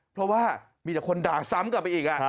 เพราะว่ามีแต่คนด่าซ้ำกลับไปอีก